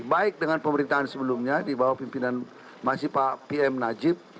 baik dengan pemerintahan sebelumnya di bawah pimpinan masih pak pm najib